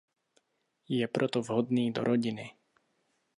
Je proto vhodný do rodiny.